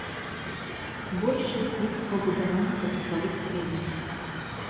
Большасць з іх пабудавана па тыпавых праектах.